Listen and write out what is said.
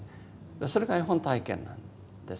それが絵本体験なんです。